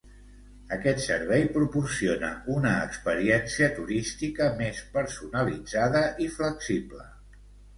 Aquest servei proporciona una experiència turística més personalitzada i flexible.